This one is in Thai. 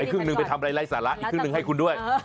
ครึ่งหนึ่งไปทำอะไรไร้สาระอีกครึ่งหนึ่งให้คุณด้วย